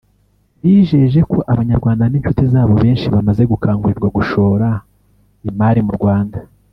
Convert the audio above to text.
bijeje ko Abanyarwanda n’inshuti zabo benshi bamaze gukangurirwa gushora imari mu Rwanda